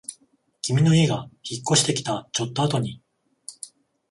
君の家が引っ越してきたちょっとあとに